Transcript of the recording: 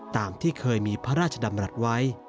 ตามที่เคยมีพระราชดำรัฐไว้